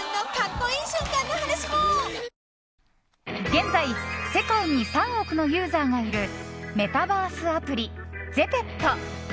現在、世界で３億のユーザーがいるメタバースアプリＺＥＰＥＴＯ。